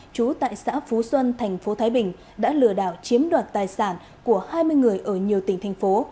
trú tại xã phú xuân thành phố thái bình đã lừa đảo chiếm đoạt tài sản của hai mươi người ở nhiều tỉnh thành phố